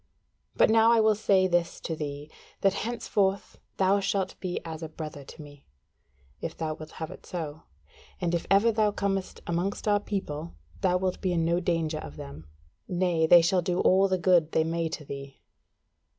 But now I will say this to thee, that henceforth thou shalt be as a brother to me, if thou wilt have it so, and if ever thou comest amongst our people, thou wilt be in no danger of them: nay, they shall do all the good they may to thee."